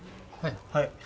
はい。